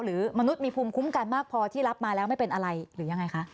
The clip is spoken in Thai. มนุษย์มีภูมิคุ้มกันมากพอที่รับมาแล้วไม่เป็นอะไรหรือยังไงคะ